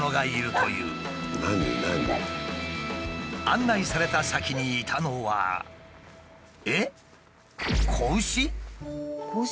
案内された先にいたのはえっ？